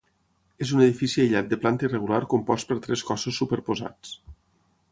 És un edifici aïllat de planta irregular compost per tres cossos superposats.